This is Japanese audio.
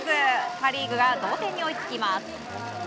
パ・リーグが同点に追いつきます。